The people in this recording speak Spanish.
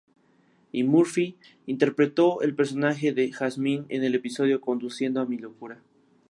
Y Murphy interpretó el personaje de Jasmine en el episodio "Conduciendo a mi Locura".